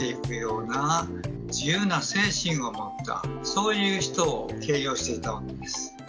そういう人を形容していたわけです。